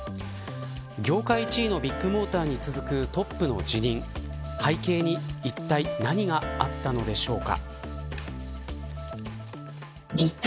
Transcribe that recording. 業界１位のビッグモーターに続くトップの辞任背景にいったい何があったのでしょうか。